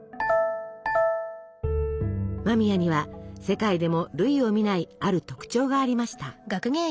間宮には世界でも類を見ないある特徴がありました。